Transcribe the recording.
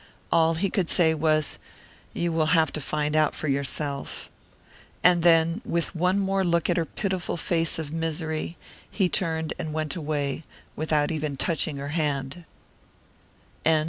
All he could say was, "You will have to find out for yourself." And then, with one more look at her pitiful face of misery, he turned and went away, without even touching her hand.